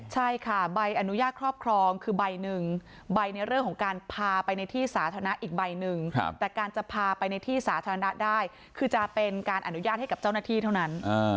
ใช่ค่ะใบอนุญาตครอบครองคือใบหนึ่งใบในเรื่องของการพาไปในที่สาธารณะอีกใบหนึ่งแต่การจะพาไปในที่สาธารณะได้คือจะเป็นการอนุญาตให้กับเจ้าหน้าที่เท่านั้น